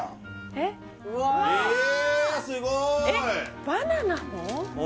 えっバナナも？